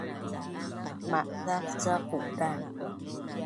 ma’zaq ca qudan